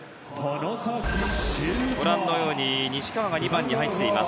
ご覧のように西川が２番に入っています。